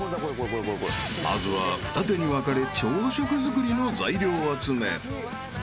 ［まずは二手に分かれ朝食作りの材料集め］